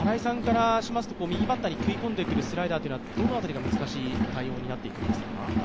右バッターに食い込んでくるスライダーというのはどの辺りが難しい対応になってきますか。